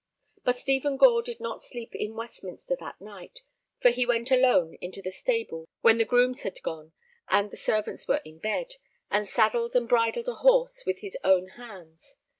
But Stephen Gore did not sleep in Westminster that night, for he went alone into the stable when the grooms had gone and the servants were in bed, and saddled and bridled a horse with his own hands.